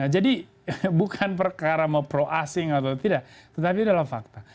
jadi bukan perkara mau pro asing atau tidak tetapi itu adalah fakta